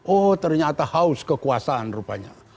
oh ternyata haus kekuasaan rupanya